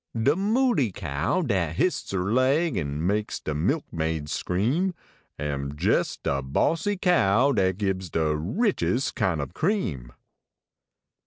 De mooley cow dat hists her leg, An makes de milk maid scream, Am jes de bossie cow dat gives De richest kiu ob cream.